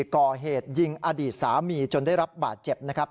ก่อเหตุยิงอดีตสามีจนได้รับบาดเจ็บนะครับ